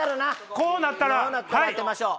こうなったら当てましょう。